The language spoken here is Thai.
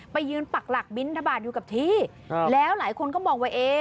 ไปยืนปักหลักบินทบาทอยู่กับที่แล้วหลายคนก็มองว่าเอ๊